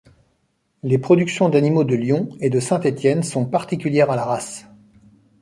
Les productions d'animaux de Lyon et de Saint-Étienne sont particulières à la race.